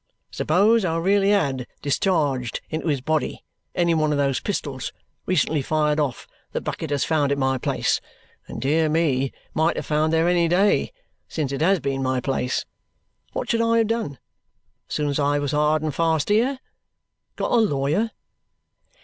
Suppose I really had discharged into his body any one of those pistols recently fired off that Bucket has found at my place, and dear me, might have found there any day since it has been my place. What should I have done as soon as I was hard and fast here? Got a lawyer."